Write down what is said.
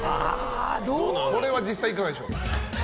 これは実際いかがでしょうか。